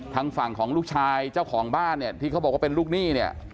ทางฝั่งของลูกชายเจ้าของบ้านเนี่ยที่เขาบอกว่าเป็นลูกหนี้เนี่ย